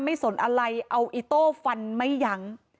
สนอะไรเอาอิโต้ฟันไม่ยั้ง